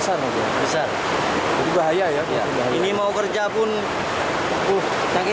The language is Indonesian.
jalan lain nggak ada pak